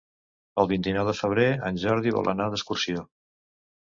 El vint-i-nou de febrer en Jordi vol anar d'excursió.